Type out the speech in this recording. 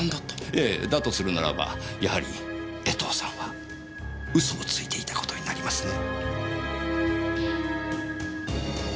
ええだとするならばやはり江藤さんは嘘をついていたことになりますね。